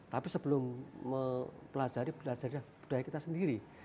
tapi sebelum mempelajari belajar budaya kita sendiri